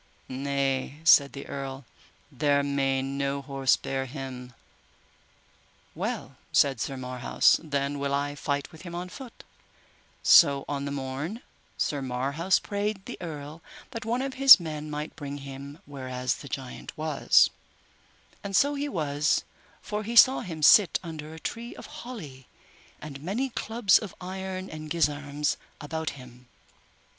Nay, said the earl, there may no horse bear him. Well, said Sir Marhaus, then will I fight with him on foot; so on the morn Sir Marhaus prayed the earl that one of his men might bring him whereas the giant was; and so he was, for he saw him sit under a tree of holly, and many clubs of iron and gisarms about him.